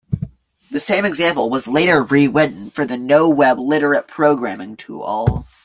The same example was later rewritten for the noweb literate programming tool.